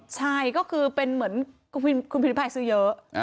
ใช่ก็คือเป็นเหมือนคุณพิมภัยซื้อเยอะ